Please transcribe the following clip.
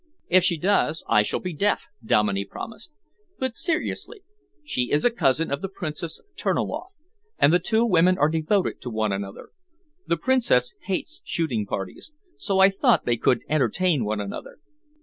"If she does, I shall be deaf," Dominey promised. "But seriously, she is a cousin of the Princess Terniloff, and the two women are devoted to one another. The Princess hates shooting parties, so I thought they could entertain one another."